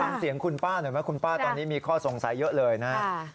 ฟังเสียงคุณป้าหน่อยไหมคุณป้าตอนนี้มีข้อสงสัยเยอะเลยนะครับ